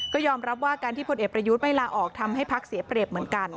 ก็ยอมรับว่าการที่พลเอกประยุทธ์ไม่ลาออกทำให้พักเสียเปรียบเหมือนกัน